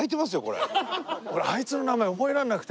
俺あいつの名前覚えられなくて。